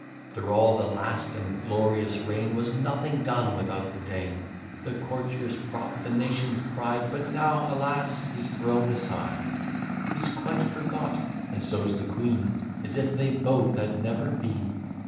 Through all the last and glorious reign, Was nothing done without the Dean; The courtier's prop, the nation's pride; But now, alas! he's thrown aside; He's quite forgot, and so's the queen, As if they both had never been.